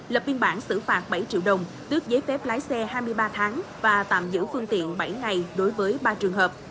lập biên bản xử phạt bảy triệu đồng tước giấy phép lái xe hai mươi ba tháng và tạm giữ phương tiện bảy ngày đối với ba trường hợp